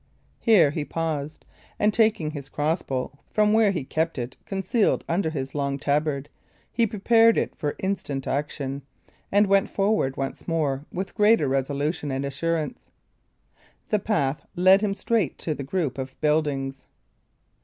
Here he paused, and taking his crossbow from where he kept it concealed under his long tabard, he prepared it for instant action, and went forward once more with greater resolution and assurance. The path led him straight to the group of buildings.